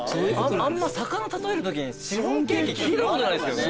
あんま魚例えるときにシフォンケーキ聞いたことないですけどね。